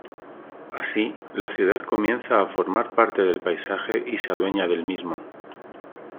Así, la ciudad comienza a formar parte del paisaje y se adueña del mismo.